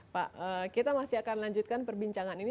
pak kita masih akan lanjutkan perbincangan ini